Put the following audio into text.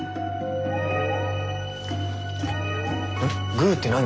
グーって何？